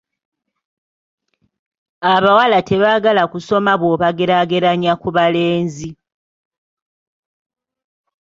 Abawala tebaagala kusoma bw'obageraageranya n'abalenzi.